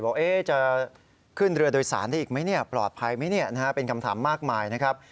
ว่าจะขึ้นเรือโดยสารได้อีกไหมปลอดภัยไหมเป็นคำถามมากมายนะครับ